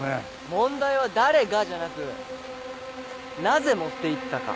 問題は「誰が」じゃなく「なぜ」持って行ったか。